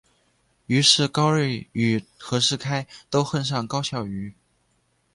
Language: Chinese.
于是高睿与和士开都恨上高孝瑜。